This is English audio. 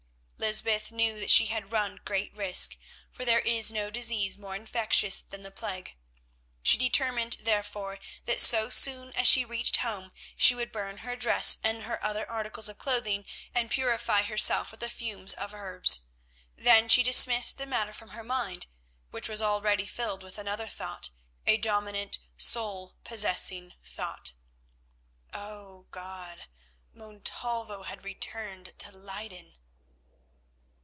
Lysbeth knew that she had run great risk, for there is no disease more infectious than the plague. She determined, therefore, that so soon as she reached home she would burn her dress and other articles of clothing and purify herself with the fumes of herbs. Then she dismissed the matter from her mind, which was already filled with another thought, a dominant, soul possessing thought. Oh God, Montalvo had returned to Leyden!